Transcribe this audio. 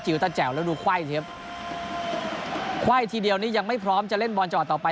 ตาแจ๋วแล้วดูไขว้สิครับไขว้ทีเดียวนี่ยังไม่พร้อมจะเล่นบอลจังหวัดต่อไป